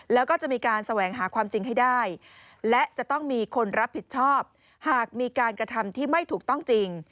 แล้วก็จะมีการแสวงหาความจริงให้ได้และจะต้องมีคนรับผิดชอบหากมีการกระทำที่ไม่ถูกต้องจริง